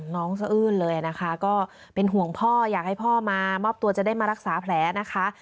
สะอื้นเลยนะคะก็เป็นห่วงพ่ออยากให้พ่อมามอบตัวจะได้มารักษาแผลนะคะ